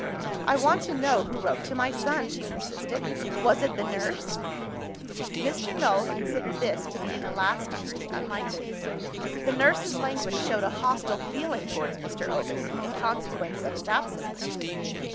"I want to know who wrote to my son," she persisted. "Was it the nurse?" Mr. Null considered this to be in the last degree unlikely. The nurse's language showed a hostile feeling towards Mr. Ovid, in consequence of his absence.